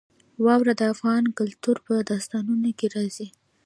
واوره د افغان کلتور په داستانونو کې راځي.